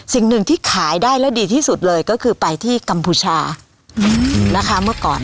สิ่งหนึ่งที่ขายได้แล้วดีที่สุดเลยก็คือไปที่กัมพูชานะคะเมื่อก่อน